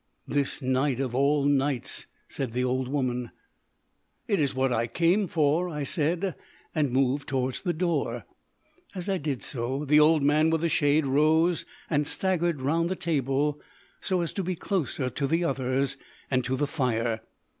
("This night of all nights!" said the old woman.) "It is what I came for," I said, and moved towards the door. As I did so, the old man with the shade rose and staggered round the table, so as to be closer to the others and to the fire.